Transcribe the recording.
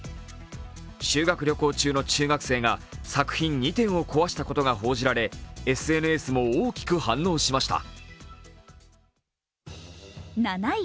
修学旅行中の中学生が作品２点を壊したことが報じられ、ＳＮＳも大きく反応しました。